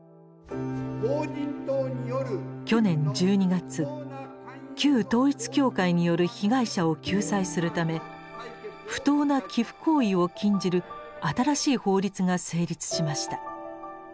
去年１２月旧統一教会による被害者を救済するため不当な寄附行為を禁じる新しい法律が成立しました。